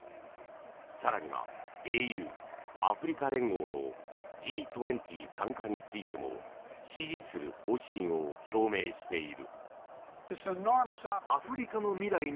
更には、ＡＵ・アフリカ連合のＧ２０参加についても支持する方針を表明している。